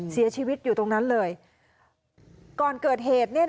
เสียชีวิตอยู่ตรงนั้นเลยก่อนเกิดเหตุ